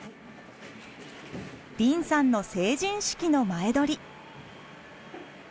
凜さんの成人式の前撮り。